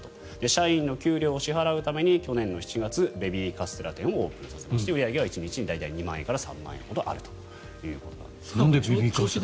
社員の給料を支払うために去年の７月にベビーカステラ店をオープンさせまして売り上げは１日大体２万円から３万円あるということです。